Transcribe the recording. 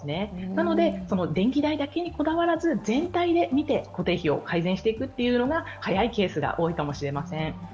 なので電気代だけにこだわらず全体で見て固定費を改善していくというのが早いケースが多いかもしれません。